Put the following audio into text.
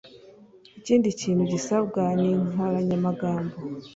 Ikindi kintu gisabwa ni inkoranyamagambo